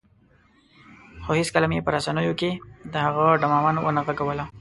خو هېڅکله مې په رسنیو کې د هغه ډمامه ونه غږوله.